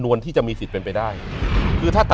อยู่ที่แม่ศรีวิรัยิลครับ